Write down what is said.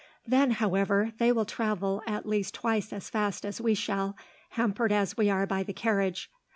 Then, however, they will travel at least twice as fast as we shall, hampered as we are by the carriage.